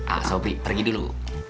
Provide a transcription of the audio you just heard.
ah sobri pergi dulu